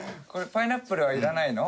パイナップルはいらないの？